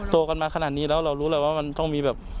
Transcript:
โตกันมาขนาดนี้แล้วเรารู้แล้วว่ามันต้องมีแบบ